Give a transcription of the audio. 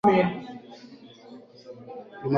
Jumapili ni siku ya kupumzika